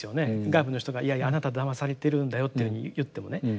外部の人があなただまされてるんだよというふうに言ってもね。